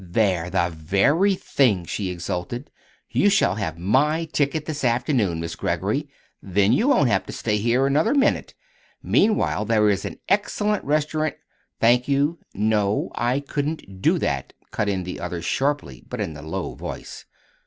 "There! the very thing," she exulted. "You shall have my ticket this afternoon, Miss Greggory, then you won't have to stay here another minute. Meanwhile, there is an excellent restaurant " "Thank you no. I couldn't do that," cut in the other, sharply, but in a low voice.